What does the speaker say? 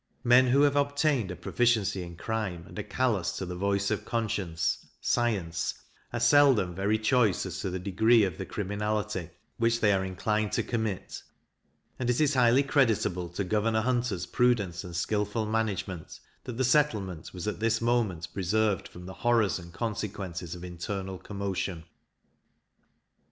Men who have obtained a proficiency in crime, and are callous to the voice of conscience, science, are seldom very choice as to the degree of the criminality which they are inclined to commit; and it is highly creditable to Governor Hunter's prudence and skilful management, that the settlement was at this moment preserved from the horrors and consequences of internal commotion.